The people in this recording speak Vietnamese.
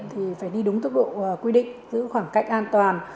thì phải đi đúng tốc độ quy định giữ khoảng cách an toàn